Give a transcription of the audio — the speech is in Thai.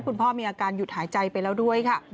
คุณพ่อมีอาการหยุดหายใจไปแล้วด้วยค่ะ